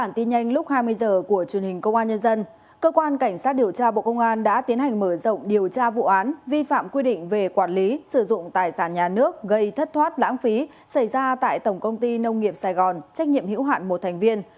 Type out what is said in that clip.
một gia quyết định bổ sung quyết định khởi tố vụ án hình sự tham ô tài sản xảy ra tại tổng công ty nông nghiệp sài gòn trách nhiệm hữu hạn một thành viên